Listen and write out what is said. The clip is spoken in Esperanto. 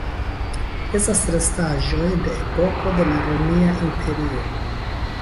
Estas restaĵoj de epoko de la Romia Imperio.